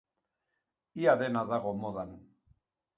Ia dena dago modan.